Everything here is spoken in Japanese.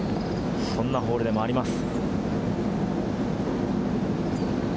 そんなホールでもあります。